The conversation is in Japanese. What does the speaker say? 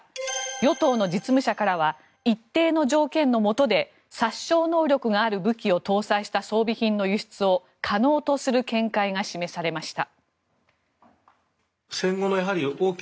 与党の実務者からは一定の条件のもとで殺傷能力がある武器を搭載した装備品の輸出を可能とする見解が示されました。